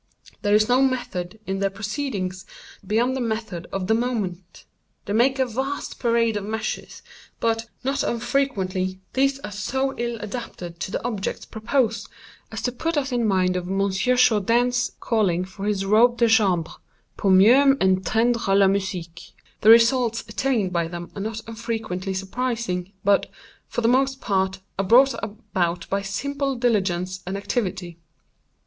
There is no method in their proceedings, beyond the method of the moment. They make a vast parade of measures; but, not unfrequently, these are so ill adapted to the objects proposed, as to put us in mind of Monsieur Jourdain's calling for his robe de chambre—pour mieux entendre la musique. The results attained by them are not unfrequently surprising, but, for the most part, are brought about by simple diligence and activity.